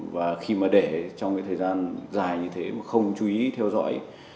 và khi để trong thời gian dài như thế mà không chú ý theo dõi